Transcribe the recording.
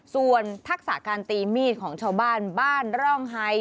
ส่วนทักษะการตีมีดของชาวบ้านบ้านร่องไฮ